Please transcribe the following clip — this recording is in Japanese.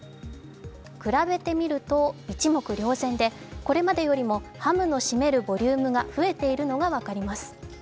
比べてみると一目瞭然で、これまでよりもハムの占めるボリュームが増えているのが分かります。